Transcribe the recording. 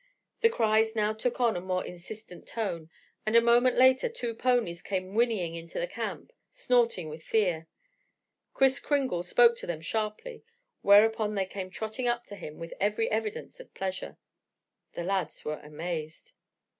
The cries now took on a more insistent tone, and a moment later two ponies came whinnying into the camp, snorting with fear. Kris Kringle spoke to them sharply, whereupon they came trotting up to him with every evidence of pleasure. The lads were amazed.